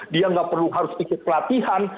dia nggak perlu harus ikut pelatihan